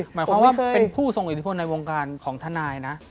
หมายความว่าเป็นผู้ทรงอิทธิพลในวงการของทนายนะ